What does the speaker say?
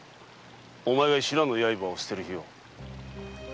お前が修羅の刃を捨てる日を。